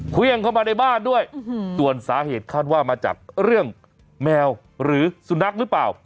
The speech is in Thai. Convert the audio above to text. เครื่องเข้ามาในบ้านด้วยส่วนสาเหตุคาดว่ามาจากเรื่องแมวหรือสุนัขหรือเปล่า